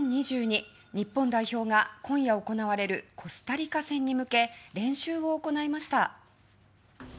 日本代表が今夜行われるコスタリカ戦に向け練習を行いました。